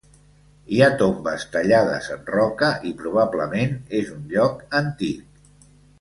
Hi ha tombes tallades en roca i probablement és un lloc antic.